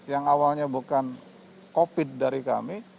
yang awalnya bukan covid dari kami